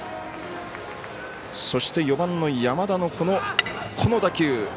そして４番の山田のこの打球。